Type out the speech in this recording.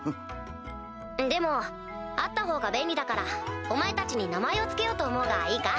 でもあったほうが便利だからお前たちに名前を付けようと思うがいいか？